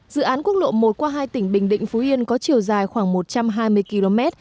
dự án quốc lộ một qua hai tỉnh bình định phú yên có chiều dài khoảng một trăm hai mươi km